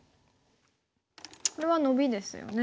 これはノビですよね。